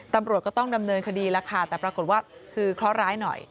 ตำรวจก็ต้องดำเนินคดีแล้วค่ะแต่ปรากฏว่าคือเคราะห์ร้ายหน่อย